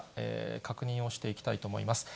確認をしていきたいと思います。